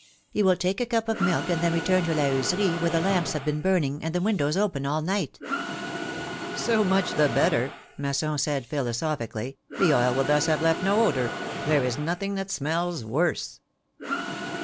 You will take a cup of milk, and then return to La Heuserie, where the lamps have been burning, and the windows open all night." ^^So much the better," Masson said, philosophically, the oil will thus have left no odor ! There is nothing that smells worse."